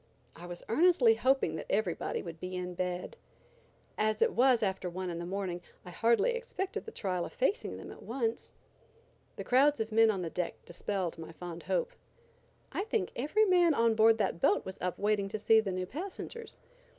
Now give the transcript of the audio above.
I was earnestly hoping that everybody would be in bed. As it was after one in the morning, I hardly expected the trial of facing them at once. The crowds of men on the deck dispelled my fond hope. I think every man on board that boat was up waiting to see the new passengers.